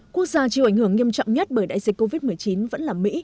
quốc gia chịu ảnh hưởng nghiêm trọng nhất bởi đại dịch covid một mươi chín vẫn là mỹ